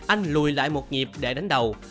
anh lùi lại một nhịp để đánh đầu